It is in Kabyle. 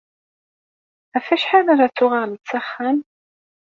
Ɣef wacḥal ara d-tuɣaleḍ s axxam?